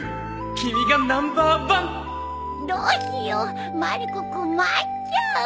君がナンバーワンどうしようまる子困っちゃう！